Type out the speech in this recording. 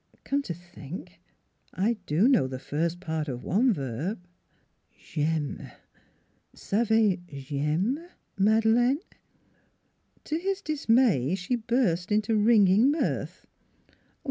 ... Come to think, I do know the first part of one verb: J'aimef Savez j'alme, Madeleine? " To his dismay she burst into ringing mirth.